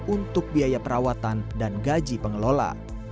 untuk biaya perawatan dan gaji pengelola